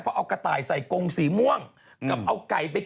กระต่ายกับไก่ล่ะ